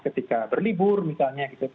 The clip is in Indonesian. ketika berlibur misalnya